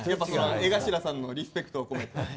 江頭さんのリスペクトを込めて。